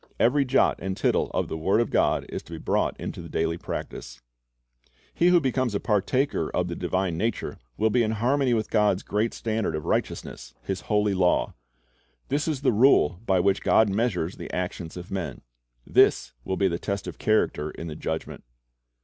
Every jot and tittle of the word of God is to be brought into the daily practise. He who becomes a partaker of the divine nature will be in harmony with God's great standard of righteousness, His holy law. This is the rule by which God measures the actions of men. This will be the test of character in the Judgment.